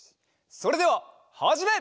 それでははじめ！